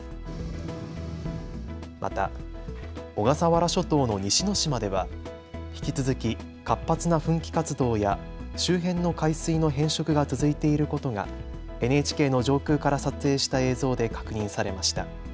また、小笠原諸島の西之島では引き続き活発な噴気活動や周辺の海水の変色が続いていることがＮＨＫの上空から撮影した映像で確認されました。